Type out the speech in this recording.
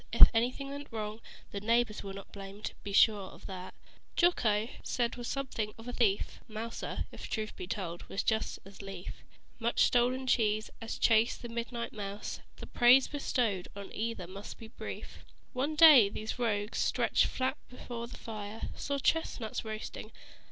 If anything went wrong, The neighbors where not blamed. Be sure of that. Jocko, 'tis said was something of a thief; Mouser, if truth be told, would just as lief Much stolen cheese as chase the midnight mouse. The praise bestowed on either must be brief. One day these rogues, stretched flat before the fire, Saw chestnuts roassting.